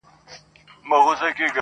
حجره د پښتنو ده څوک به ځي څوک به راځي!